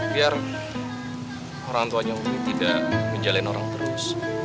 biar orang tuanya ini tidak menjalin orang terus